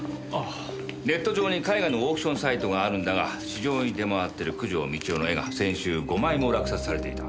ネット上に絵画のオークションサイトがあるんだが市場に出回ってる九条美千代の絵が先週５枚も落札されていた。